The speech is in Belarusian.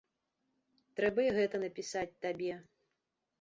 Трэба і гэта напісаць табе.